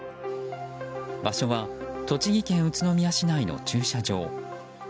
場所は栃木県宇都宮市内の駐車場。